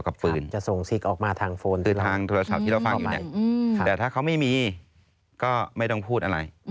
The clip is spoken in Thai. แต่ถ้าเขามีมีก็ไม่ต้องพูดอะไร